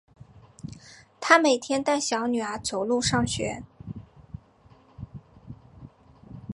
她每天带小女儿走路上学